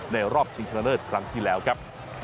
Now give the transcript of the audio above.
รอบชิงชนะเลิศครั้งที่แล้วครับ